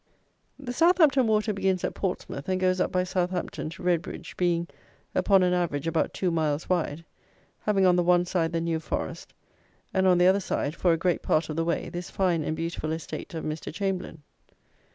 The Southampton Water begins at Portsmouth, and goes up by Southampton, to Redbridge, being, upon an average, about two miles wide, having, on the one side, the New Forest, and on the other side, for a great part of the way, this fine and beautiful estate of Mr. Chamberlayne.